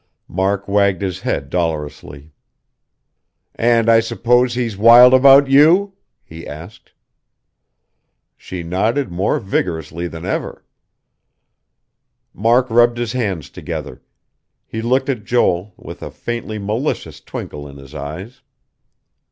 Mark wagged his head dolorously. "And I suppose he's wild about you?" he asked. She nodded more vigorously than ever. Mark rubbed his hands together. He looked at Joel, with a faintly malicious twinkle in his eyes.